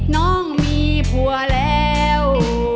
น้องมีผัวแล้ว